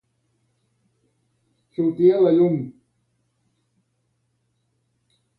Sortir a llum.